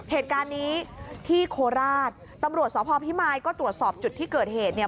เหตุการณ์นี้ที่โคราชตำรวจสพพิมายก็ตรวจสอบจุดที่เกิดเหตุเนี่ย